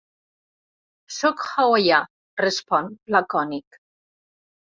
Sóc hawaià —respon, lacònic.